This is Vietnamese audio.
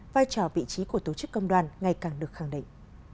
vai trò vị trí của tổ chức công đoàn ngày càng được khẳng định